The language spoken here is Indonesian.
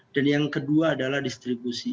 dan yang kedua adalah distribusi